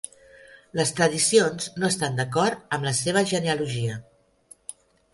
Les tradicions no estan d'acord amb la seva genealogia.